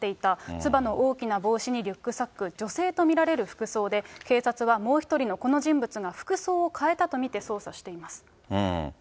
つばの大きな帽子にリュックサック、女性と見られる服装で、警察はもう１人のこの人物が服装を変えたと見て捜査しています。